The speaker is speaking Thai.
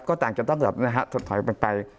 ก็ต่างจากต้องถอยไป